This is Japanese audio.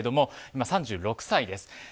今、３６歳です。